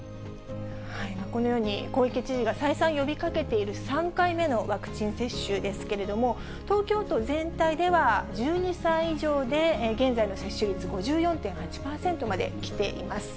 このように小池知事が再三呼びかけている３回目のワクチン接種ですけれども、東京都全体では１２歳以上で現在の接種率５４．８％まで来ています。